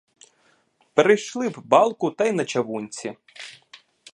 Перейшли б балку та й на чавунці.